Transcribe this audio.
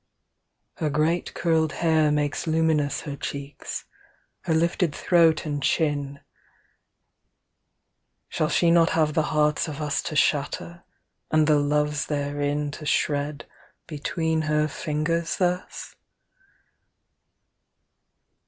II Her great curled hair makes luminous Her cheeks, her lifted throat and chin Shall she not have the hearts of us To shatter, and the loves therein To shred between her fingers thus?